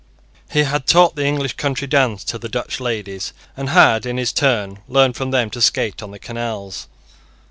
He had taught the English country dance to the Dutch ladies, and had in his turn learned from them to skate on the canals.